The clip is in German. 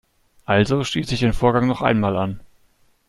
Also stieß ich den Vorgang noch einmal an.